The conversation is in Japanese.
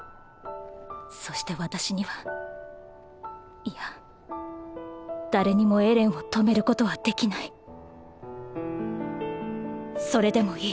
そして私にはいや誰にもエレンを止めることはできないそれでもいい。